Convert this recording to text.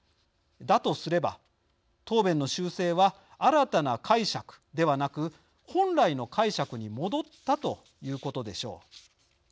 だとすれば、答弁の修正は新たな解釈ではなく本来の解釈に戻ったということでしょう。